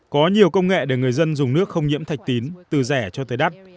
có nhiều công nghệ để người dân dùng nước không nhiễm thạch tín từ rẻ cho tới đắt